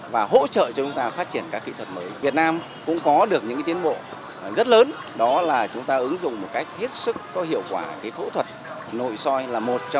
và kể cả những các ung thư khác